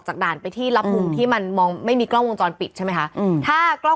ด่านไปที่รับมุมที่มันมองไม่มีกล้องวงจรปิดใช่ไหมคะอืมถ้ากล้อง